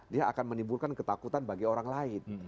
dia akan menimbulkan ketakutan bagi orang lain